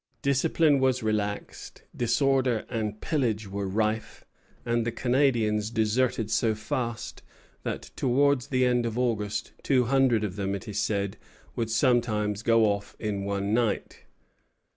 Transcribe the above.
Discipline was relaxed, disorder and pillage were rife, and the Canadians deserted so fast, that towards the end of August two hundred of them, it is said, would sometimes go off in one night.